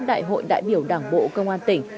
đại hội đại biểu đảng bộ công an tỉnh